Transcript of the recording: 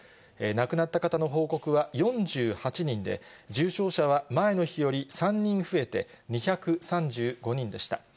亡くなった方の報告は４８人で、重症者は前の日より３人増えて、２３５人でした。